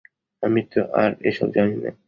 আমি তো আর এসব জানি না।